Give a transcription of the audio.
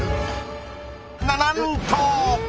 ななんと！